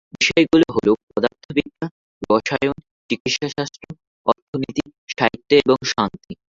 বিষয়গুলো হল: পদার্থবিজ্ঞান, রসায়ন, চিকিৎসা শাস্ত্র, অর্থনীতি, সাহিত্য এবং শান্তি।